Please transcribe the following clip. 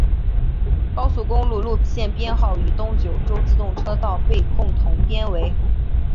高速公路路线编号与东九州自动车道被共同编为。